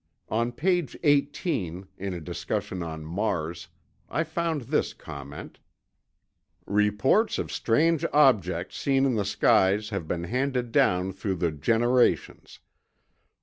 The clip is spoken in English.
On page 18, in a discussion on Mars, I found this comment: "Reports of strange objects seen in the skies have been handed down through the generations.